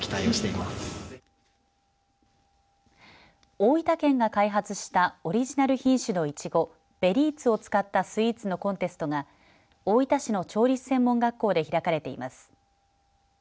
大分県が開発したオリジナル品種のいちごベリーツを使ったスイーツのコンテストが大分市の調理師専門学校で開かれています。